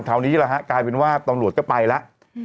คราวนี้แหละฮะกลายเป็นว่าตำรวจก็ไปแล้ว